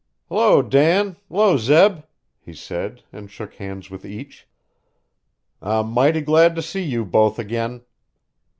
"Hello, Dan hello, Zeb," he said and shook hands with each. "I'm mighty glad to see you both again.